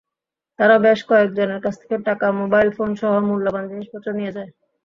তারা বেশ কয়েকজনের কাছ থেকে টাকা, মোবাইল ফোনসহ মূল্যবান জিনিসপত্র নিয়ে যায়।